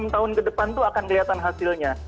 enam tahun ke depan itu akan kelihatan hasilnya